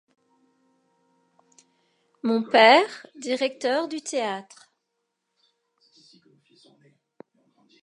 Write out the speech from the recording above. Mon père, directeur du théâtre.